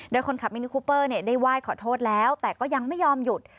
โดยคนขับมินิคูเปอร์ได้ไหว้ขอโทษแล้วแต่ก็ยังไม่ยอมหยุด